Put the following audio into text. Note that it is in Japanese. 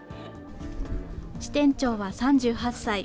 支店長は３８歳。